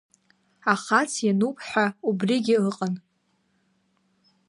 Ахац иануп ҳәа убригьы ыҟан.